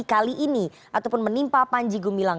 kali ini ataupun menimpa panji gumilang